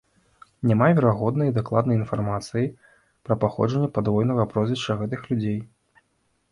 Няма верагоднай і дакладнай інфармацыі пра паходжанне падвойнага прозвішча гэтых людзей.